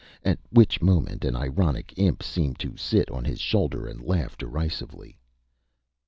At which moment an ironic imp seemed to sit on his shoulder, and laugh derisively.